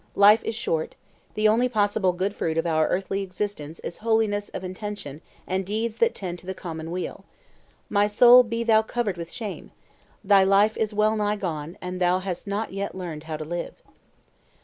Life is short; the only possible good fruit of our earthly existence is holiness of intention and deeds that tend to the common weal. ... My soul, be thou covered with shame! Thy life is well nigh gone, and thou hast not yet learned how to live."